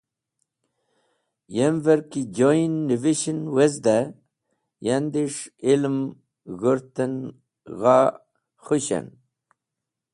Yemvẽr ki joyn nẽvishẽn wezdẽ andis̃h ilm g̃hũrtẽn gha khushẽn